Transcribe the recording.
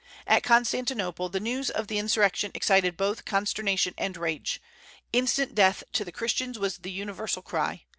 At Constantinople the news of the insurrection excited both consternation and rage. Instant death to the Christians was the universal cry.